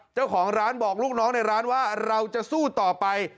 เจ้าของร้านบอกลูกน้องในร้านว่าเราจะสู้ต่อไป